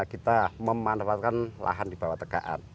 kita memanfaatkan lahan di bawah tegaan